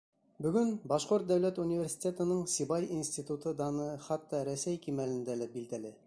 Бөгөн Башҡорт дәүләт университетының Сибай институты даны хатта Рәсәй кимәлендә лә билдәле.